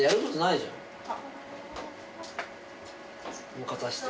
もう片して。